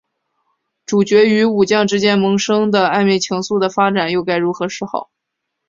主角与武将之间萌生的暧昧情愫的发展又该如何是好？